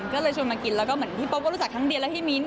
ก็เลยชวนมากินแล้วก็เหมือนพี่โป๊ก็รู้จักครั้งเดียวแล้วพี่มิ้นท